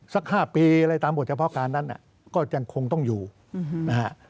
สัก๕ปีอะไรตามบทเฉพาะการนั้นก็ยังคงต้องอยู่นะฮะ